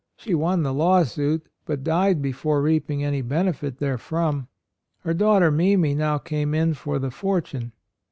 She won the law suit but died before reaping any benefit therefrom; her daughter Mimi now came in for the fort une.